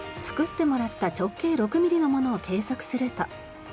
作ってもらった直径６ミリのものを計測すると。